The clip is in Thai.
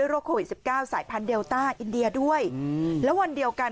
โรคโควิด๑๙สายพันธุ์เดลต้าอินเดียด้วยแล้ววันเดียวกัน